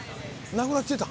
なくなってた？